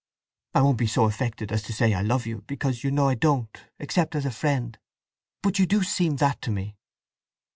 I won't be so affected as to say I love you, because you know I don't, except as a friend. But you do seem that to me!"